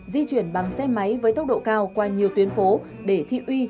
di chuyển bằng xe máy với tốc độ cao qua nhiều tuyến phố để thị uy